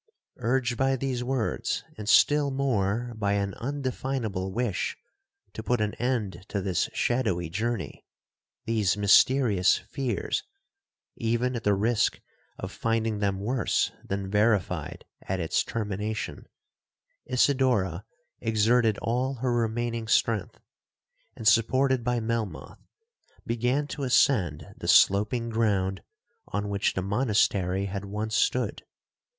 Urged by these words, and still more by an undefinable wish to put an end to this shadowy journey,—these mysterious fears,—even at the risk of finding them worse than verified at its termination, Isidora exerted all her remaining strength, and, supported by Melmoth, began to ascend the sloping ground on which the monastery had once stood.